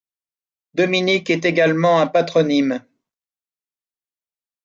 Dominique est également un patronyme.